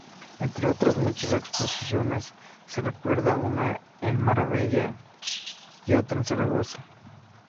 Entre otras muchas exposiciones, se recuerda una en Marbella y otra en Zaragoza.